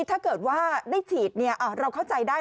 ถ้าเกิดว่าได้ฉีดเราเข้าใจได้